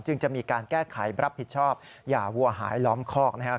จะมีการแก้ไขรับผิดชอบอย่าวัวหายล้อมคอกนะครับ